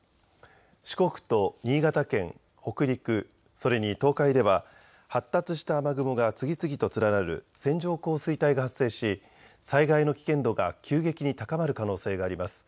四国と新潟県、北陸、それに東海では発達した雨雲が次々と連なる線状降水帯が発生し災害の危険度が急激に高まる可能性があります。